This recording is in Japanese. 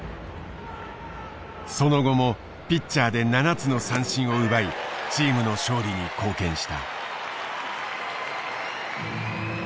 その後もピッチャーで７つの三振を奪いチームの勝利に貢献した。